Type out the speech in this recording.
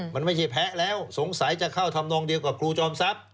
มันไม่ใช่แพ้แล้วสงสัยจะเข้าทำนองเดียวกับครูจอมทรัพย์